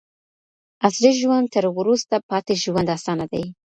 عصري ژوند تر وروسته پاتې ژوند اسانه دی.